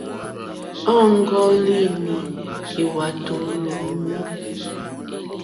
Ɔ́ŋɡɔ́línì lwàtò lúú!ní.